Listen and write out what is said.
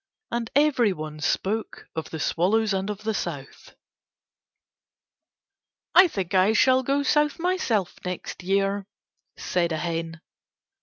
And everyone spoke of the swallows and the South. "I think I shall go South myself next year," said a hen.